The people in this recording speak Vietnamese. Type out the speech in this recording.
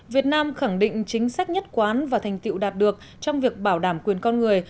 việt nam khẳng định chính sách nhất quán và thành tiệu đạt được trong việc bảo đảm quyền con người